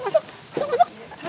masuk masuk masuk